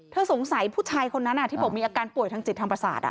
สงสัยผู้ชายคนนั้นที่บอกมีอาการป่วยทางจิตทางประสาท